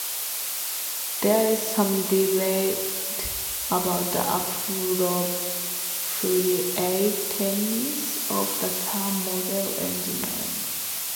There is some debate about the appropriateness of the term 'model engineering'.